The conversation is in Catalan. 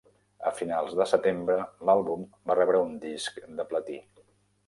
A finals de setembre, l'àlbum va rebre un Disc de Platí.